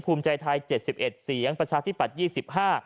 ภูมิใจถ่าย๗๑เสียงประชาชนทิศปรัช๒๕